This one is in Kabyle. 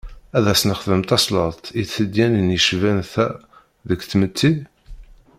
Ad as-nexdem tasleḍt i tedyanin yecban ta deg tmetti?